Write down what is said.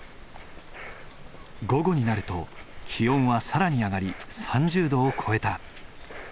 午後になると気温は更に上がり３０度を超えた。